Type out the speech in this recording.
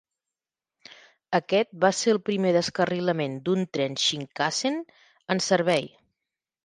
Aquest va ser el primer descarrilament d'un tren Shinkansen en servei.